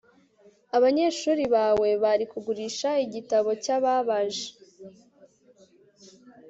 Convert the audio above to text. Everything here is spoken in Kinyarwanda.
abanyeshuri bawe bari kugurisha igitabo cyababaje